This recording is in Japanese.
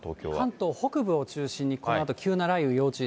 関東北部を中心に、このあと急な雷雨要注意。